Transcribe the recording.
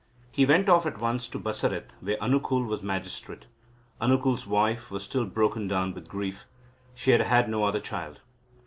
He went off at once to Baraset where Anukul was magistrate. Anukul's wife was still broken down with grief. She had had no other child.